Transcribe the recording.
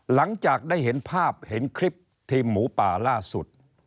หลังจากได้เห็นภาพเห็นคลิปทีมหมูป่าล่าสุด